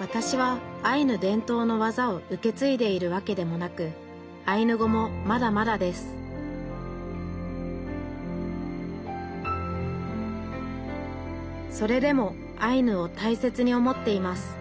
わたしはアイヌ伝統のわざを受け継いでいるわけでもなくアイヌ語もまだまだですそれでもアイヌを大切に思っています